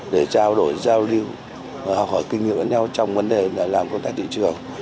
để trao đổi giao lưu học hỏi kinh nghiệm với nhau trong vấn đề làm công tác thị trường